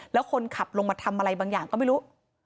แล้วคนขับลงมาทำอะไรบางอย่างก็ไม่รู้